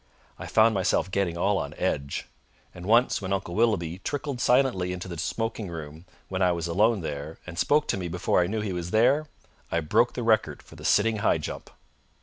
I found myself getting all on edge; and once when Uncle Willoughby trickled silently into the smoking room when I was alone there and spoke to me before I knew he was there, I broke the record for the sitting high jump.